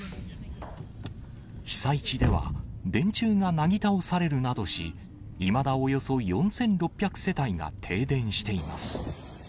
被災地では電柱がなぎ倒されるなどし、いまだおよそ４６００世帯が停電しています。